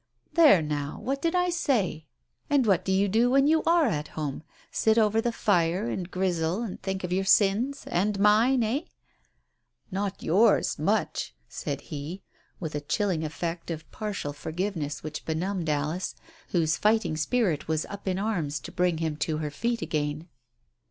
"There now, what did I say? And what do you do, Digitized by Google THE TELEGRAM 19 when you are at home? Sit over the fire and grizzle, "and think of your sins — and mine, eh?" " Not yours — much !" said he, with a chilling effect of partial forgiveness which benumbed Alice, whose fighting spirit was up in arms to bring him to her feet again.